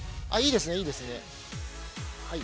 いいですね。